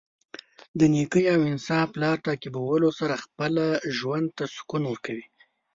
د نېکۍ او انصاف لار تعقیبولو سره خپله ژوند ته سکون ورکوي.